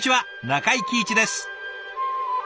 中井貴一です。